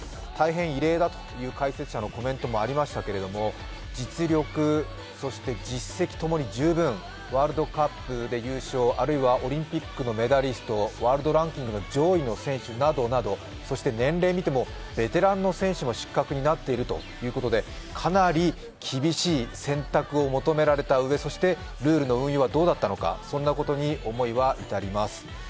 大変異例だという解説者のコメントもありましたけど実力、そして実績ともに十分、ワールドカップで優勝、あるいはオリンピックのメダリスト、ワールドランキングの上位の選手などなどそして年齢見てもベテランの選手も失格になっているということでかなり厳しい選択を求められたうえ、そしてルールの運用はどうだったのか、そんなことに思いは至ります